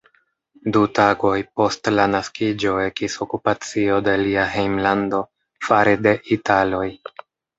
Du tagoj post la naskiĝo ekis okupacio de lia hejmlando fare de Italoj.